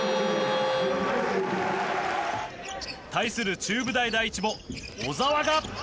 対する中部大第一も小澤が。